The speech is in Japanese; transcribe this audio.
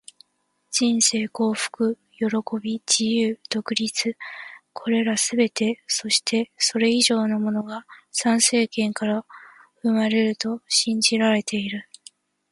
人生、幸福、喜び、自由、独立――これらすべて、そしてそれ以上のものが参政権から生まれると信じられている。